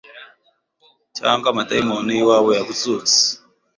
cyangwa amadayimoni yiwabo yazutse